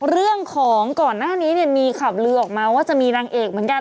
เรื่องของก่อนหน้านี้เนี่ยมีข่าวลือออกมาว่าจะมีนางเอกเหมือนกัน